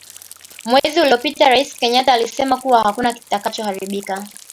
mwezi uliopita Raisi Kenyatta alisema kuwa hakuna kitakacho haribika